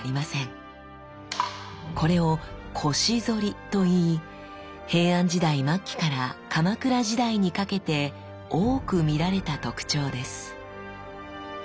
これを「腰反り」と言い平安時代末期から鎌倉時代にかけて多く見られた特徴です。